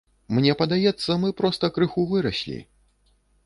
Мне падаецца, мы проста крыху выраслі.